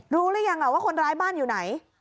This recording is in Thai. รู้หรือยังว่าคนร้ายบ้านอยู่ไหน